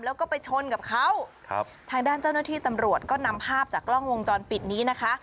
แล้วก็ไปชนกับเขาครับทางด้านเจ้าหน้าที่ตำรวจก็นำภาพจากกล้องวงจรปิดนี้นะคะ